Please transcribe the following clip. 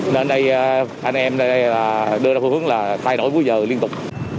nên anh em đưa ra phương hướng là thay đổi múi giờ liên tục